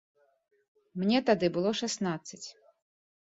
Мне тады было шаснаццаць.